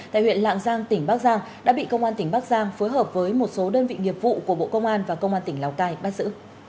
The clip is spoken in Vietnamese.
tại huyện lạng giang tỉnh bắc giang đã bị công an tỉnh bắc giang phối hợp với một số đơn vị nghiệp vụ của bộ công an và công an tỉnh lào cai bắt giữ